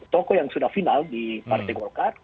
tokoh yang sudah final di partai golkar